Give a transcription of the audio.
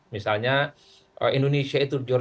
misalnya indonesia itu jorok